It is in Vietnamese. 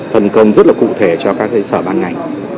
phần công rất cụ thể cho các sở ban ngành